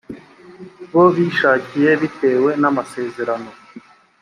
bo bishakiye bitewe n amasezerano